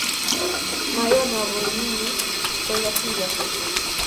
Mayanwa konut nyun koek atindoi seset